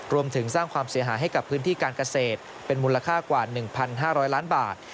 รวมถึงสร้างความเสียหายให้กับพื้นที่การเกษตรเป็นมูลค่ากว่า๑๕๐๐ล้านบาท